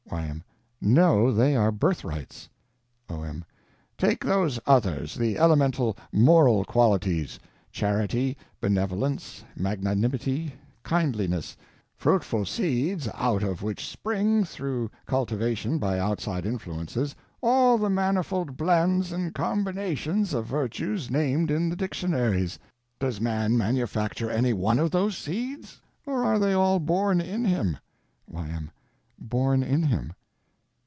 Y.M. No. They are birthrights. O.M. Take those others—the elemental moral qualities—charity, benevolence, magnanimity, kindliness; fruitful seeds, out of which spring, through cultivation by outside influences, all the manifold blends and combinations of virtues named in the dictionaries: does man manufacture any of those seeds, or are they all born in him? Y.M. Born in him.